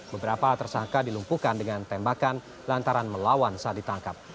beberapa tersangka dilumpuhkan dengan tembakan lantaran melawan saat ditangkap